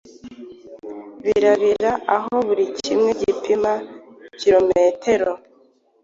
birebire aho buri kimwe gipima kilometero